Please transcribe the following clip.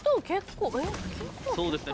そうですね